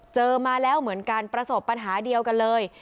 มาแล้วเหมือนกันประสบปัญหาเดียวกันเลย